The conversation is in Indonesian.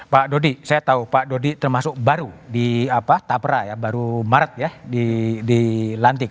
pak dodi saya tahu pak dodi termasuk baru di tapra ya baru maret ya dilantik